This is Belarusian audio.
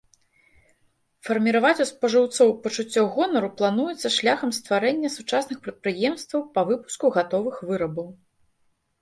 Фарміраваць у спажыўцоў пачуццё гонару плануецца шляхам стварэння сучасных прадпрыемстваў па выпуску гатовых вырабаў.